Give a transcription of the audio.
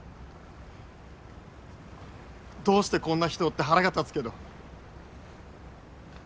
どうしてこんな人をって腹が立つけど。